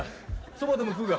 そばでも食うか。